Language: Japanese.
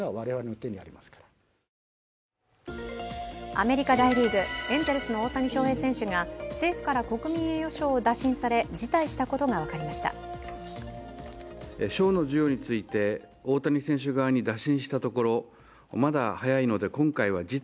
アメリカ大リーグエンゼルスの大谷翔平選手が政府から国民栄誉賞を打診され辞退したことが分かりました。